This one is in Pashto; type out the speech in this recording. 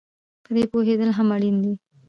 په دې پوهېدل هم اړین دي